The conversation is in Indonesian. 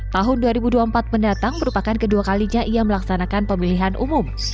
tahun dua ribu dua puluh empat mendatang merupakan kedua kalinya ia melaksanakan pemilihan umum